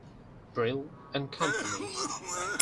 Brill and Company.